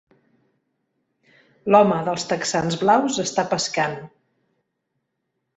L'home dels texans blaus està pescant